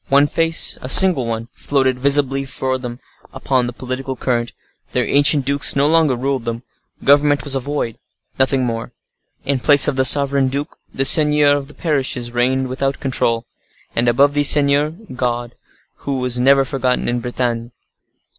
One face—a single one—floated visibly for them upon the political current. Their ancient dukes no longer ruled them; government was a void—nothing more. In place of the sovereign duke, the seigneurs of parishes reigned without control; and, above these seigneurs, God, who has never been forgotten in Bretagne.